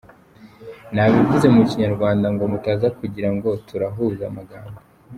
Nabivuze mu Kinyarwanda ngo mutaza kugira ngo turahuza amagambo.